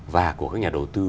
và của các nhà đầu tư